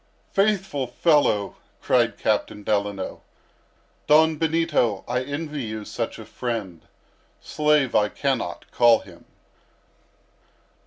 "Faithful fellow!" cried Captain Delano. "Don Benito, I envy you such a friend; slave I cannot call him."